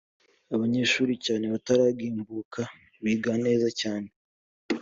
abanyeshuri cyane abataragimbuka biga neza cyane